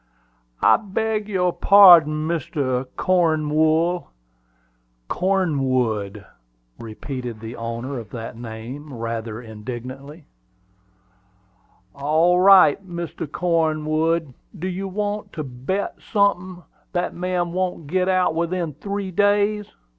"I beg your parding, Mr. Cornwool." "Cornwood," repeated the owner of that name, rather indignantly. "All right, Mr. Cornwood. Do you want to bet sunthin' that man won't git out within three days?"